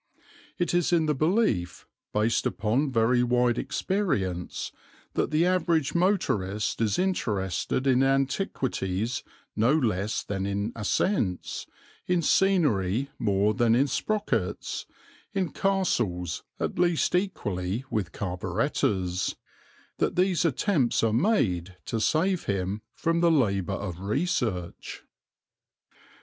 It is in the belief, based upon very wide experience, that the average motorist is interested in antiquities no less than in ascents, in scenery more than in sprockets, in castles at least equally with carburettors, that these attempts are made to save him from the labour of research.